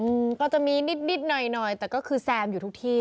อืมก็จะมีนิดนิดหน่อยหน่อยแต่ก็คือแซมอยู่ทุกที่